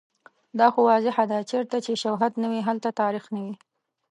دا خو واضحه ده چیرته چې شوهد نه وي، هلته تاریخ نه وي